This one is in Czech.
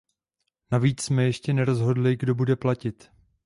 Navíc jsme ještě nerozhodli, kdo bude platit.